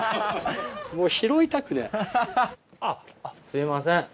あっすいません。